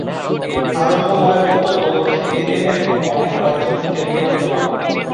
অরণ্যময় উত্তর ও দক্ষিণ তীরে এখনও অনেক পর্যটন কেন্দ্র বিদ্যমান।